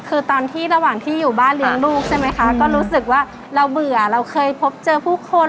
คือตอนที่ระหว่างที่อยู่บ้านเลี้ยงลูกใช่ไหมคะก็รู้สึกว่าเราเบื่อเราเคยพบเจอผู้คน